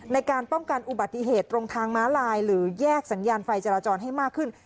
ในการป้องกันอุบัติเหตุตรงทางม้าลายหรือแยกสัญญาณไฟจราจรให้มากขึ้น